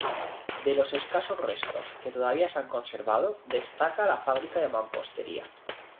De los escasos restos que todavía se han conservado destaca la fábrica en mampostería.